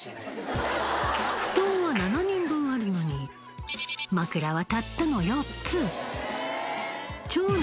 布団は７人分あるのに枕はたったの４つ長男・